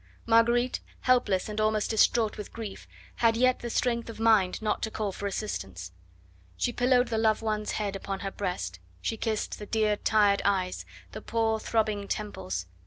Marguerite, helpless and almost distraught with grief, had yet the strength of mind not to call for assistance. She pillowed the loved one's head upon her breast, she kissed the dear, tired eyes, the poor throbbing temples.